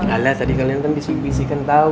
alas tadi kalian tuh bisik bisikin tau